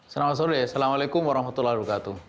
selamat sore assalamualaikum warahmatullahi wabarakatuh